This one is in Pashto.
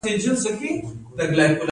د اوبو د پاکوالي لپاره باید څه شی وکاروم؟